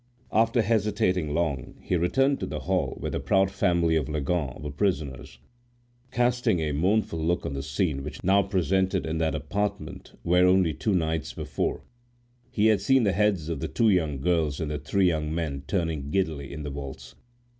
After hesitating long, he returned to the hall where the proud family of Leganes were prisoners, casting a mournful look on the scene now presented in that apartment where, only two nights before, he had seen the heads of the two young girls and the three young men turning giddily in the waltz.